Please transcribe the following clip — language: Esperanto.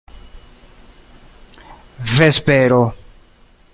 vespero